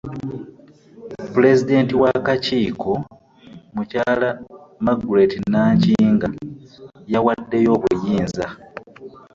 Pulezidenti w'akakiiko Muky Margaret Nankinga, yawaddeyo obuyinza